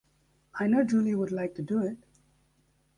I know Julie would like to do it.